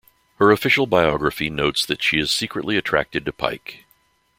Her official biography notes that she is secretly attracted to Pike.